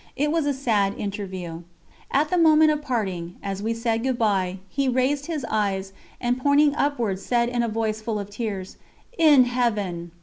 It was a sad interview. At the moment of parting, as we said good bye, he raised his eyes, and pointing upwards said in a voice full of tears: "In Heaven!"